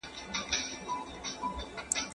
ډیپلوماټان څنګه نړیوال قانون عملي کوي؟